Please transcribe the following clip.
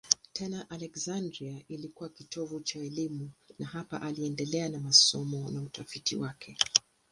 Tena Aleksandria ilikuwa kitovu cha elimu na hapa aliendelea na masomo na utafiti wake.